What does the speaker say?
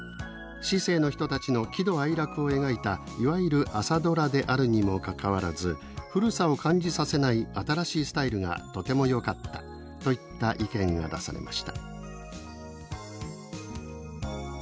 市井の人たちの喜怒哀楽を描いたいわゆる朝ドラであるにもかかわらず古さを感じさせない、新しいスタイルがとてもよかった」といった意見が出されました。